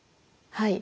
はい。